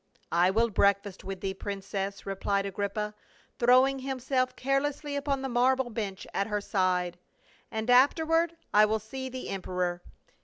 "I will breakfast with thee, princess," replied Agrippa, throwing himself carelessly upon the marble bench at her side. "And afterward I will see the emperor.